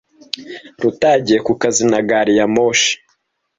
Ruta yagiye kukazi na gari ya moshi.